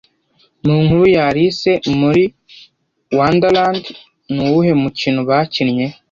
Mu Nkuru ya Alice Muri Wonderland, Nuwuhe mukino bakinnye